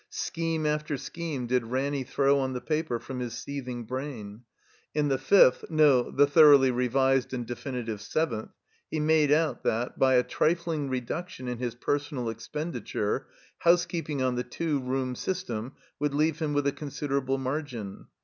Scheme after scheme did Ranny throw on the paper from his seething brain. In the fifth — no, the thoroughly revised and definitive seventh, he made out that, by a trifling reduction in his personal expenditure, housekeeping on the two room system would leave him with a consider able margin.